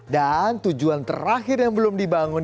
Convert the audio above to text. dan tujuan terakhir yang belum dibangun